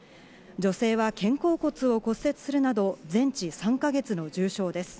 女性は肩甲骨を骨折するなど全治３か月の重傷です。